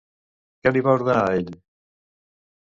Què li va ordenar ell?